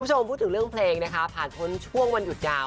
คุณผู้ชมพูดถึงเรื่องเพลงนะคะผ่านพ้นช่วงวันหยุดยาว